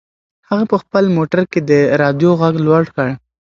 هغه په خپل موټر کې د رادیو غږ لوړ کړ.